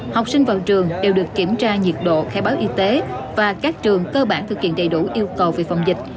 học sinh vào trường đều được kiểm tra nhiệt độ khai báo y tế và các trường cơ bản thực hiện đầy đủ yêu cầu về phòng dịch